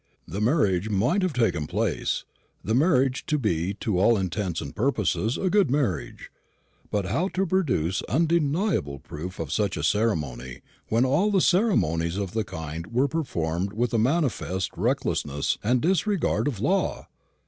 The marriage might have taken place; the marriage be to all intents and purposes a good marriage; but how produce undeniable proof of such a ceremony, when all ceremonies of the kind were performed with a manifest recklessness and disregard of law?